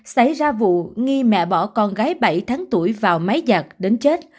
xảy ra vụ nghi mẹ bỏ con gái bảy tháng tuổi vào máy giặc đến chết